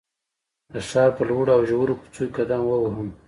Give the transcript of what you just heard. د ښار په لوړو او ژورو کوڅو کې قدم ووهم.